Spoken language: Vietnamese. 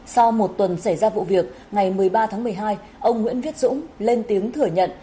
sau một tuần xảy ra vụ việc ngày một mươi ba tháng một mươi hai ông nguyễn viết dũng lên tiếng thừa nhận